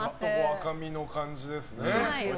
赤身の感じですね。